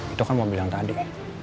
itu kan mobil yang tadi